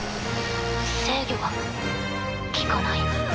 制御が利かない。